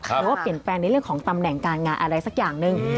หรือว่าเปลี่ยนแปลงในเรื่องของตำแหน่งการงานอะไรสักอย่างหนึ่ง